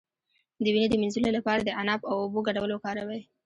د وینې د مینځلو لپاره د عناب او اوبو ګډول وکاروئ